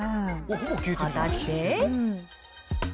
果たして？